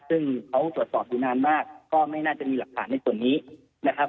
ซึ่งเขาตรวจสอบอยู่นานมากก็ไม่น่าจะมีหลักฐานในส่วนนี้นะครับ